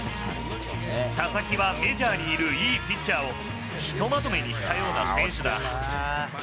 佐々木はメジャーにいるいいピッチャーを、ひとまとめにしたような選手だ。